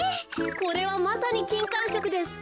これはまさにきんかんしょくです。